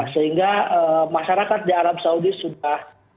sehingga masyarakat di arab saudi sudah